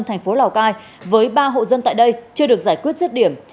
thành phố lào cai với ba hộ dân tại đây chưa được giải quyết rứt điểm